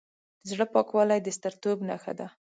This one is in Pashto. د زړه پاکوالی د سترتوب نښه ده.